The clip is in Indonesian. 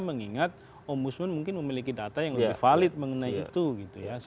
mengingat ombudsman mungkin memiliki data yang lebih valid mengenai itu gitu ya